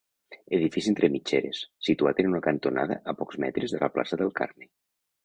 Edifici entre mitgeres, situat en una cantonada a pocs metres de la plaça del Carme.